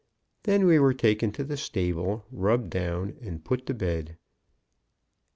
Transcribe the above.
Then we were taken to the stable, rubbed down, and put to bed.